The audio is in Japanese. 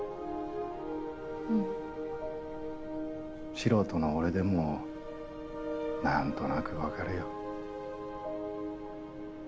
素人の俺でもなんとなく分かるよ。